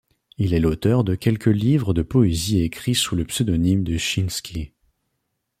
Il est l'auteur de quelques livres de poésie écris sous le pseudonyme de Chinski.